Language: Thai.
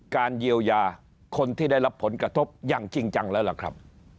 เยียวยาคนที่ได้รับผลกระทบอย่างจริงจังแล้วล่ะครับ